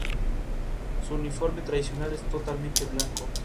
Su uniforme tradicional es totalmente blanco.